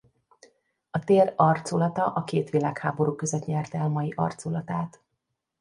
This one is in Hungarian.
A tér arculata a két világháború között nyerte el mai arculatát.